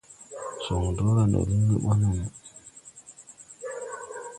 Jɔŋ dɔga ndɔ liŋ ni ɓɔ nono.